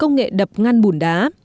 công nghệ đập ngăn bùn đá